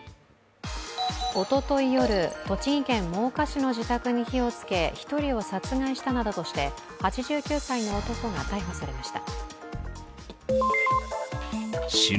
おととい夜栃木県真岡市の自宅に火をつけ１人を殺害したなどとして８９歳の男が逮捕されました。